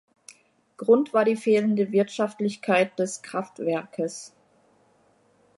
Grund war die fehlende Wirtschaftlichkeit des Kraftwerkes.